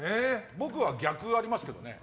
僕は逆はありますけどね。